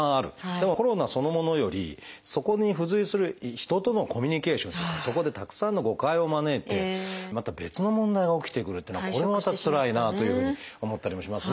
でもコロナそのものよりそこに付随する人とのコミュニケーションというかそこでたくさんの誤解を招いてまた別の問題が起きてくるってのはこれもまたつらいなというふうに思ったりもしますね。